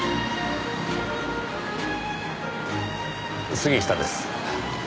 杉下です。